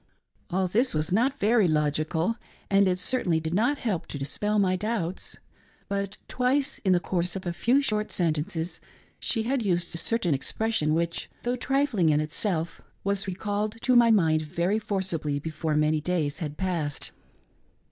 All this was not very logical, and it certainly did not help to dispel my doubts. But, twice in the course of a few short sentences, she had used a certain expression which, though trifling in itself, was recalled to my mind very forcibly befon many days had passed.